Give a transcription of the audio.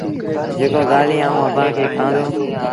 جيڪو ڳآليٚنٚ آئوٚنٚ اڀآنٚ کي ڪهآنٚ دو